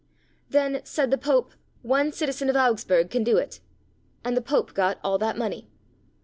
"Then," said the Pope, "one citizen of Augsburg can do it." And the Pope got all that money.